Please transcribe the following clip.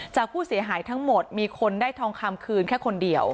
จากผู้เสียหายทั้งหมดมีคนได้ทองคำคืนแค่คนเดียว